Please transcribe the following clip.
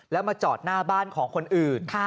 แล้วมาจอดหน้าบ้านของคนอื่น